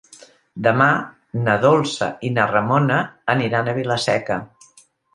Demà na Dolça i na Ramona aniran a Vila-seca.